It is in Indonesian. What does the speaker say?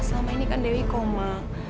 selama ini kan dewi koma